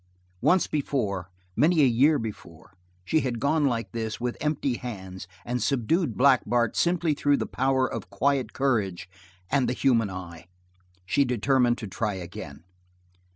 Once before, many a year before, she had gone like this, with empty hands, and subdued Black Bart simply through the power of quiet courage and the human eye. She determined to try again.